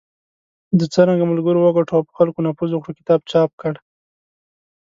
د"څرنګه ملګري وګټو او په خلکو نفوذ وکړو" کتاب چاپ کړ .